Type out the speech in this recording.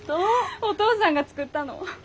お父さんが作ったの。